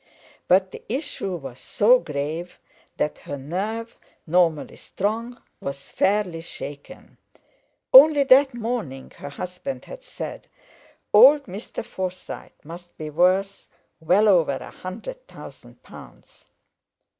But the issue was so grave that her nerve, normally strong, was fairly shaken; only that morning her husband had said: "Old Mr. Forsyte must be worth well over a hundred thousand pounds!"